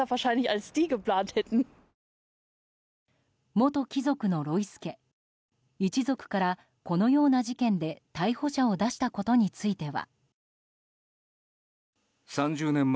元貴族のロイス家一族から、このような事件で逮捕者を出したことについては。